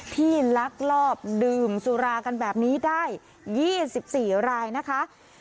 ลักลอบดื่มสุรากันแบบนี้ได้๒๔รายนะคะ